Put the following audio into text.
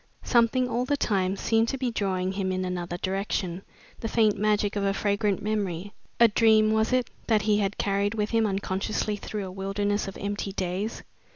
Something all the time seemed to be drawing him in another direction, the faint magic of a fragrant memory a dream, was it that he had carried with him unconsciously through a wilderness of empty days?